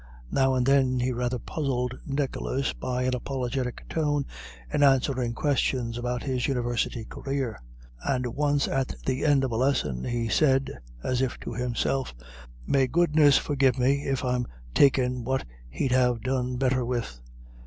Now and then he rather puzzled Nicholas by an apologetic tone in answering questions about his University career. And once at the end of a lesson he said, as if to himself: "May goodness forgive me if I'm takin' what he'd have done better with.